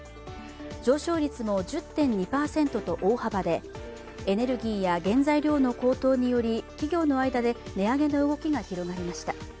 上昇率も１０．２％と大幅で、エネルギーや原材料の高騰により企業の間で値上げの動きが広がりました。